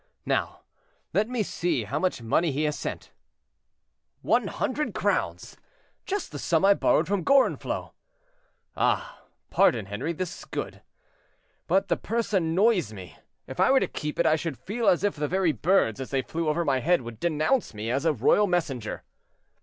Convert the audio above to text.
Now let me see how much money he has sent. One hundred crowns; just the sum I borrowed from Gorenflot. Ah! pardon, Henri, this is good. But the purse annoys me; if I were to keep it I should feel as if the very birds, as they flew over my head, would denounce me as a royal messenger."